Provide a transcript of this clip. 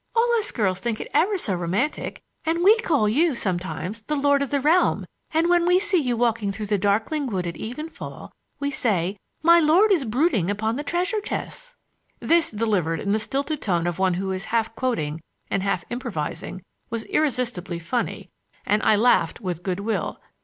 All us girls think it ever so romantic, and we call you sometimes the lord of the realm, and when we see you walking through the darkling wood at evenfall we say, 'My lord is brooding upon the treasure chests.' " This, delivered in the stilted tone of one who is half quoting and half improvising, was irresistibly funny, and I laughed with good will.